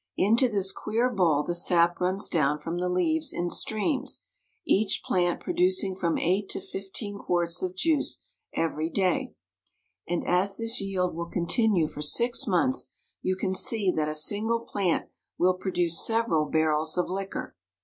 Into this queer bowl the sap runs down from the leaves in streams, each plant producing from eight to fif teen quarts of juice every day; and as this yield will con CARP. N. AM.— 21 Maguey Plant. 336 MEXICO. tinue for six months, you can see that a single plant will produce several barrels of liquor.